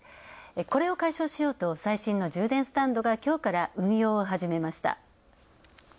これを解消しようと最新の充電スタンドがきょうから運用を始めました。